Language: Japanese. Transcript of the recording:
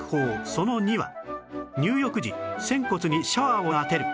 その２は入浴時仙骨にシャワーを当てる